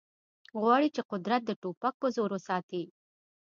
غواړي چې قدرت د ټوپک په زور وساتي